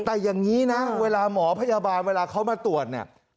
แต่อย่างนี้นะเวลาหมอพยาบาลเวลาเขามาตรวจเนี่ย